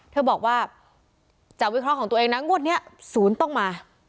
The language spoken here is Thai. เธอบอกว่าจากวิเคราะห์ของตัวเองนะงวดนี้ศูนย์ต้องมา